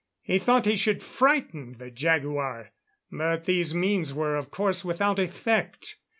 He thought he should frighten the jaguar; but these means were of course without effect.